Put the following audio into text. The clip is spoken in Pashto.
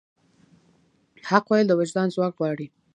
حق ویل د وجدان ځواک غواړي.